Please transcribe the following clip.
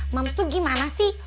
mams tuh gimana sih